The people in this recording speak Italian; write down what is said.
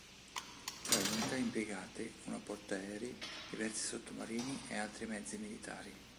Tra le unità impiegate una portaerei, diversi sottomarini e altri mezzi militari.